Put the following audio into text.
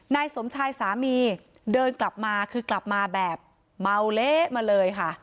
นายสมชายสามีเดินกลับมาคือกลับมาแบบเมาเละมาเลยค่ะ